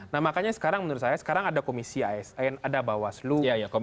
nah makanya menurut saya sekarang ada komisi asn ada bawas lu